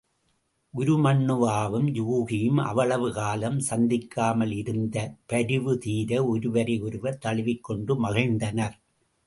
உருமண்ணுவாவும் யூகியும் அவ்வளவு காலம் சந்திக்காமல் இருந்த பரிவுதீர ஒருவரை ஒருவர் தழுவிக் கொண்டு மகிழ்ந்தனர்.